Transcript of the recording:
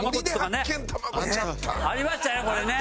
ありましたよね